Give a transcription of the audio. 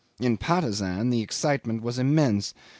In Patusan the excitement was intense.